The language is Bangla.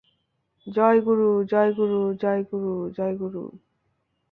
জয় গুরু, জয় গুরু, জয় গুরু, জয় গুরু,।